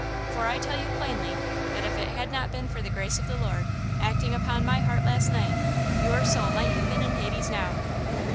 For I tell you plainly that if it had not been for the grace of the Lord, acting upon my heart last night, your soul might have been in Hades now!"